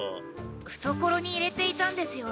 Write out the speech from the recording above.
懐に入れていたんですよ。